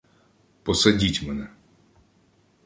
— Посадіть мене.